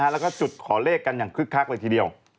แล้วก็จุดขอเลขกันอย่างคึกคักเลยทีเดียว